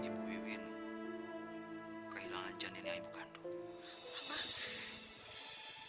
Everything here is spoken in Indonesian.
ibu iwin kehilangan janin yang ibu gandum